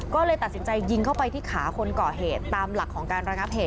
ก็เลยตัดสินใจยิงเข้าไปที่ขาคนก่อเหตุตามหลักของการระงับเหตุ